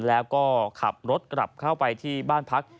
แล้วก็ขับรถกลับเข้าไปที่บ้านพัก